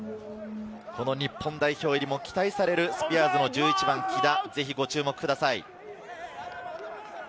日本代表にも期待されるスピアーズの１１番・木田、ぜひ、ご注目ください。